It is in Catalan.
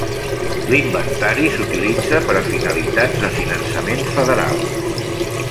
L'inventari s'utilitza per a finalitats de finançament federal.